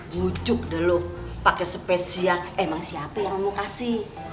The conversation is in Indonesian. jujuk dah lo pakai spesial emang siapa yang mau kasih